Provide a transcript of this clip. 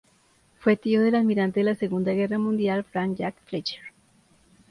Fue tío del Almirante de la Segunda Guerra Mundial Frank Jack Fletcher.